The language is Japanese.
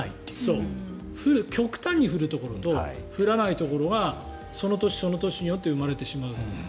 極端に降るところと降らないところがその年、その年によって生まれてしまうと。